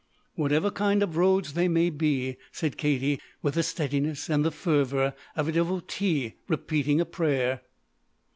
"Whatever kind, of roads they may be," said Katie, with the steadiness and the fervor of a devotee repeating a prayer.